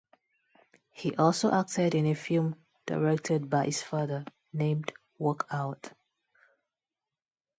He also acted in a film directed by his father named "Walkout".